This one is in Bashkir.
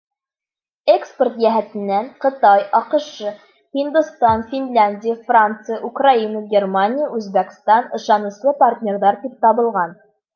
Экспорт йәһәтенән Ҡытай, АҠШ, Һиндостан, Финляндия, Франция, Украина, Германия, Үзбәкстан ышаныслы партнерҙар тип табылған.